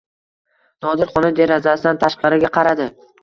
Nodir xona derazasidan tashqariga qaradi.